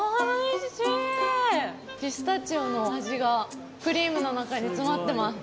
ピスタチオの味がクリームの中に詰まってます